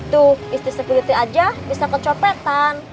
tuh istri security aja bisa kecopetan